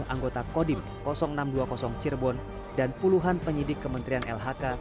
satu ratus lima puluh anggota kodim enam ratus dua puluh cirebon dan puluhan penyidik kementerian lhk